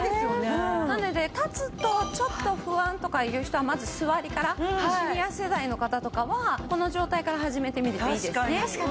なので立つとちょっと不安とかいう人はまず座りからシニア世代の方とかはこの状態から始めてみるといいですね。